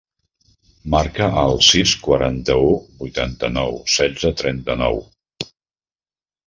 Marca el sis, quaranta-u, vuitanta-nou, setze, trenta-nou.